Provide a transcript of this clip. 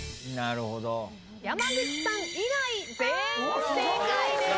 山口さん以外全員正解です。